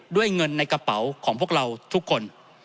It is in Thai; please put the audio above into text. ด้วยเงินในกระเป๋าของพวกเราทุกคน